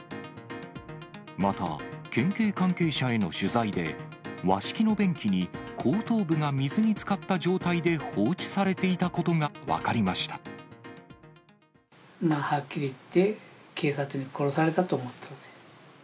また、県警関係者への取材で、和式の便器に後頭部が水につかった状態で放置されていたことが分はっきり言って、警察に殺されたと思ってますよ。